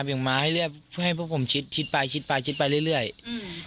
มาให้เรียบเพื่อให้พวกผมชิดชิดไปชิดไปชิดไปเรื่อยเรื่อยอืม